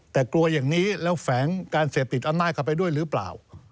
แต่กลัวอย่างนี้แล้วแฝงการเสพติดอำนาจเข้าไปด้วยหรือเปล่า